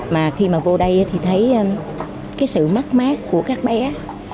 mà khi mà vô đây thì thấy cái sự mất mát của các bé